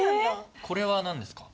これは何ですか？